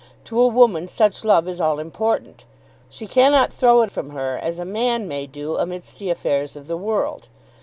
To a woman such love is all important. She cannot throw it from her as a man may do amidst the affairs of the world.